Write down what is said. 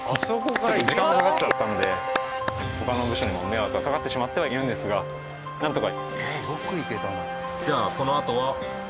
ちょっと時間がかかっちゃったので他の部署にも迷惑はかかってしまってはいるんですがなんとか。